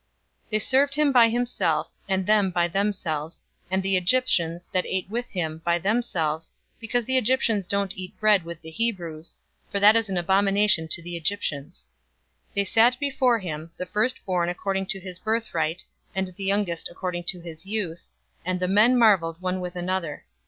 043:032 They served him by himself, and them by themselves, and the Egyptians, that ate with him, by themselves, because the Egyptians don't eat bread with the Hebrews, for that is an abomination to the Egyptians. 043:033 They sat before him, the firstborn according to his birthright, and the youngest according to his youth, and the men marveled one with another.